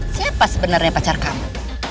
siapa sebenarnya pacar kamu